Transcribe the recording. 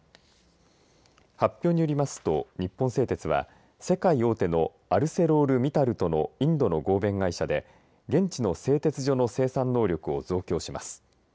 発表によりますと日本製鉄は世界大手のアルセロール・ミタルとのインドの合弁会社で現地の製鉄所の生産能力を増強します。